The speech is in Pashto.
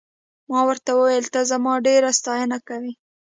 ما ورته وویل ته زما ډېره ستاینه کوې.